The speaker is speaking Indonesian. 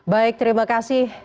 baik terima kasih